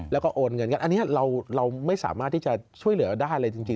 แล้วก็โอนเงินกันอันนี้เราไม่สามารถที่จะช่วยเหลือได้เลยจริง